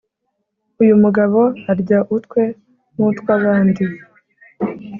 uyumugabo arya utwe n’utwabandi